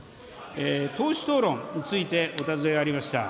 党首討論についてお尋ねがありました。